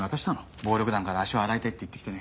暴力団から足を洗いたいって言ってきてね。